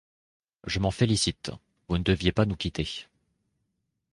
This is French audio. Je m'en félicite, vous ne deviez pas nous quitter.